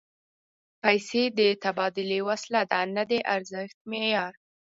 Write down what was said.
پیسې د تبادلې وسیله ده، نه د ارزښت معیار